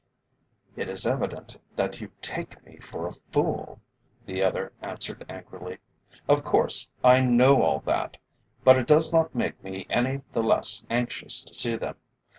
"It is evident that you take me for a fool," the other answered angrily. "Of course, I know all that; but it does not make me any the less anxious to see them.